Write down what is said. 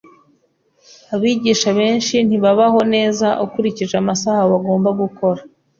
Abigisha benshi ntibabaho neza ukurikije amasaha bagomba gukora.